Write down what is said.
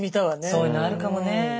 そういうのあるかもねえ。